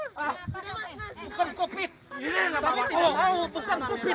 ah bukan covid